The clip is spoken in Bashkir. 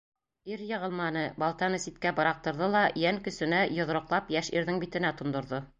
Ир йығылманы, балтаны ситкә быраҡтырҙы ла йән көсөнә йоҙроҡлап йәш ирҙең битенә тондорҙо.